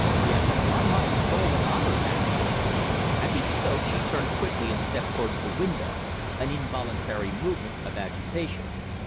Yes, upon my soul and honour, Kathleen." As he spoke she turned quickly and stepped towards the window, an involuntary movement of agitation.